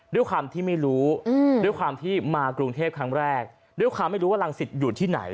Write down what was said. ด้วยความที่ไม่รู้ด้วยความที่มากรุงเทพครั้งแรกด้วยความไม่รู้ว่ารังสิตอยู่ที่ไหน